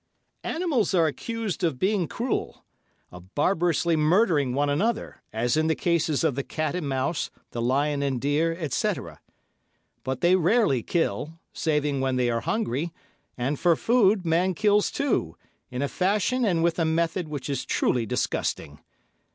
Animals are accused of being cruel—of barbarously murdering one another, as in the cases of the cat and mouse, the lion and deer, etc. But they rarely kill, saving when they are hungry, and for food man kills, too, in a fashion and with a method which is truly disgusting.